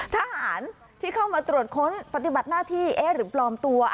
ทหารที่เข้ามาตรวจค้นปฏิบัติหน้าที่เอ๊ะหรือปลอมตัว